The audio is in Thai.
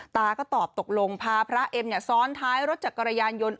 ตาก็ตอบตกลงพาพระเอ็มซ้อนท้ายรถจักรยานยนต์